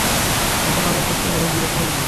এসব বকবক করে বিরক্ত হয়ে গেছি।